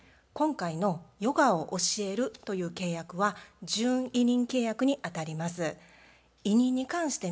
今回のヨガを教えるという契約は準委任契約にあたります。